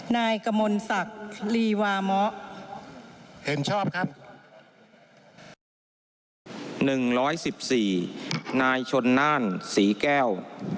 นายชนนานศรีแก้ว